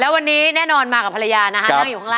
วันนี้แน่นอนมากับภรรยานะครับ